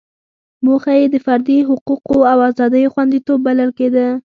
موخه یې د فردي حقوقو او ازادیو خوندیتوب بلل کېده.